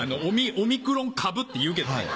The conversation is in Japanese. オミクロン株っていうけどね。